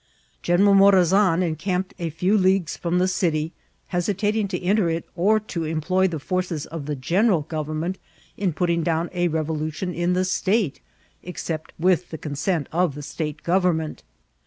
General Mo rasan encamped a few leagoea from the city, hedtating to enter it ot to employ the forces of the general goT emment in putting down a revolution in the state ex* cept with the consent of the state government.